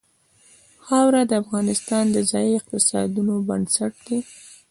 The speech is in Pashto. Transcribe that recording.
خاوره د افغانستان د ځایي اقتصادونو بنسټ دی.